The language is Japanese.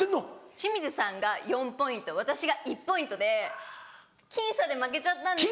清水さんが４ポイント私が１ポイントで僅差で負けちゃったんですよ。